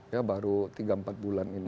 ya baru tiga empat bulan ini